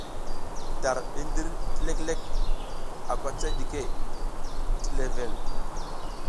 Dar i ndir ti leklek a kwacay ɗike ti level.